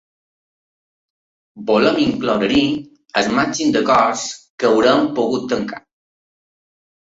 Volem incloure-hi el màxim d’acords a què haurem pogut tancar.